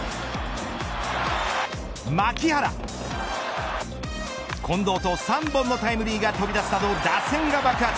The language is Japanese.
牧原近藤と３本のタイムリーが飛び出すなど打線が爆発。